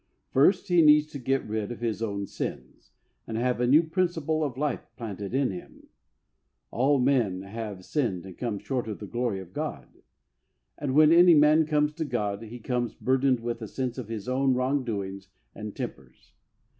First, he needs to get rid of his own sins, and have a new principle of life planted in him. "All men have sinned and come short of the glory of God,^^ and when any man comes to God, he comes burdened with a sense of his own wrong doings and tempers.